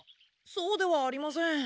そうではありません。